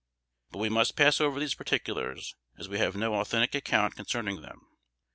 But we must pass over these particulars, as we have no authentic account concerning them.